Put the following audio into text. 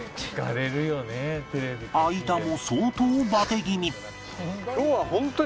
相田も相当バテ気味